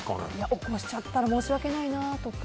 起こしちゃったら申し訳ないなとか。